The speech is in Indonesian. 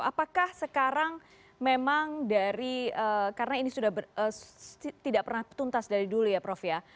apakah sekarang memang dari karena ini sudah tidak pernah tuntas dari dulu ya prof ya